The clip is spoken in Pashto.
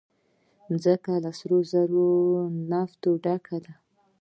مځکه له سرو زرو او نفته ډکه ده.